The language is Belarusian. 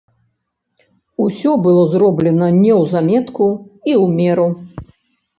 Усё было зроблена неўзаметку і ў меру.